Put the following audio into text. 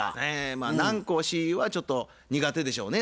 まあ南光ＣＥＯはちょっと苦手でしょうね